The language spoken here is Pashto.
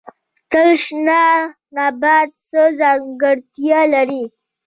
تل شنه نباتات څه ځانګړتیا لري؟